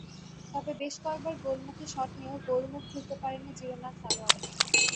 তবে বেশ কয়েকবার গোলমুখে শট নিয়েও গোলমুখ খুলতে পারেনি জিরোনার খেলোয়াড়েরা।